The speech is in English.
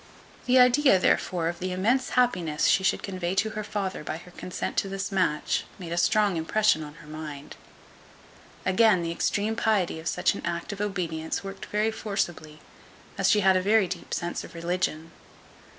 The idea, therefore, of the immense happiness she should convey to her father by her consent to this match, made a strong impression on her mind. Again, the extreme piety of such an act of obedience worked very forcibly, as she had a very deep sense of religion.